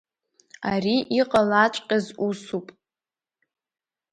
Ари иҟалаҵәҟьаз усуп.